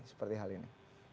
seperti hal ini